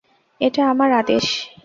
এটা আমার আদেশ।